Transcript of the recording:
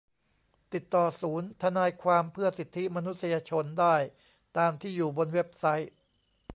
ติดต่อศูนย์ทนายความเพื่อสิทธิมนุษยชนได้ตามที่อยู่บนเว็บไซต์